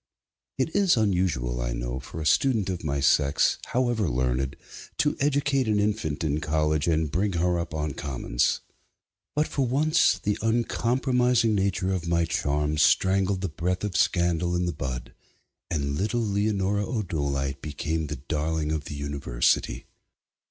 It is unusual, I know, for a student of my sex, however learned, to educate an infant in college and bring her up on commons. But for once the uncompromising nature of my charms strangled the breath of scandal in the bud, and little Leonora O'Dolite became the darling of the university.